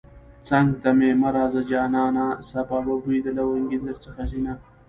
څنگ ته مې مه راځه جانانه سبا به بوی د لونگين درڅخه ځينه